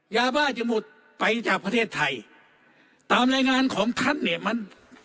ยาบ้าจะหมดไปจากประเทศไทยตามรายงานของท่านเนี่ยมัน